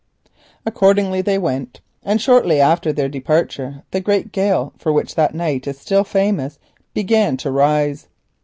Accordingly they went; and shortly after their departure the great gale for which that night is still famous began to rise.